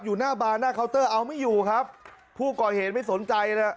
หน้าบานหน้าเคาน์เตอร์เอาไม่อยู่ครับผู้ก่อเหตุไม่สนใจนะ